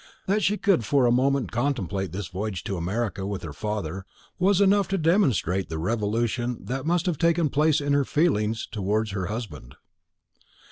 That she could for a moment contemplate this voyage to America with her father, was enough to demonstrate the revolution that must have taken place in her feelings towards her husband.